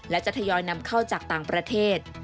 และจะทยอยนำเข้าจากต่างประเทศ